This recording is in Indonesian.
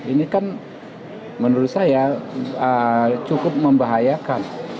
ini kan menurut saya cukup membahayakan